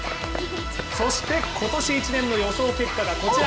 そして今年一年の予想結果がこちら。